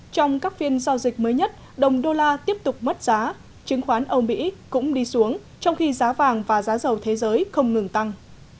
trong các phiên giao dịch mới nhất đồng đô la tiếp tục mất giá chứng khoán âu mỹ cũng đi xuống trong khi giá vàng và giá dầu thế giới không ngừng tăng